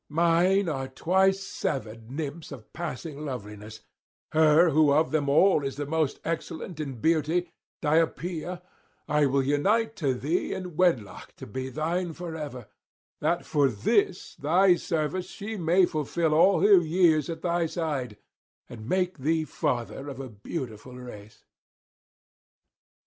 Mine are twice seven nymphs of passing loveliness; her who of them all is most excellent in beauty, Deïopea, I will unite to thee in wedlock to be thine for ever; that for this thy service she may fulfil all her years at thy side, and make thee father of a beautiful race.'